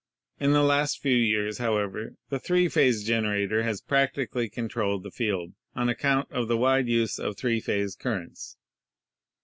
In the last few years, however, the three phase generator has practically controlled the field on account of the wide use of three phase currents.